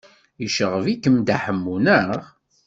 Yecɣeb-ikem Dda Ḥemmu, naɣ?